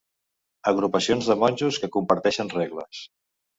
Agrupacions de monjos que comparteixen regles.